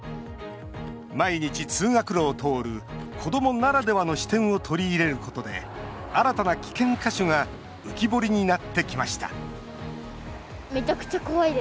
毎日、通学路を通る子どもならではの視点を取り入れることで新たな危険箇所が浮き彫りになってきました